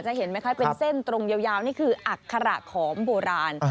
เห็นไหมคะเป็นเส้นตรงยาวนี่คืออัคระขอมโบราณ